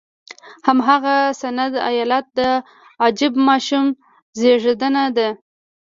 هماغه د سند ایالت د عجیب ماشوم زېږېدنه ده.